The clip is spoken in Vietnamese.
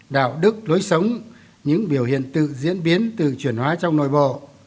đạo đức lối sống những biểu hiện tự diễn biến tự chuyển hóa trong nội bộ